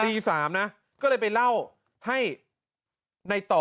ตี๓นะก็เลยไปเล่าให้ในต่อ